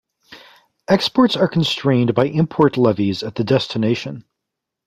Exports are constrained by import levies at the destination.